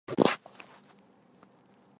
元朝时沿置。